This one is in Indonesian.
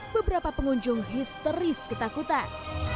beberapa pengunjung histeris ketakutan